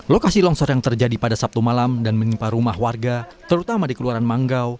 lokasi longsor yang terjadi pada sabtu malam dan menimpa rumah warga terutama di keluaran manggau